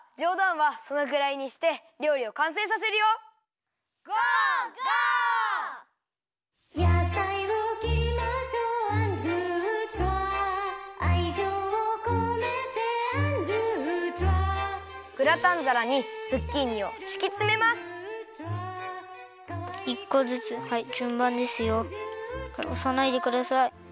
はいおさないでください。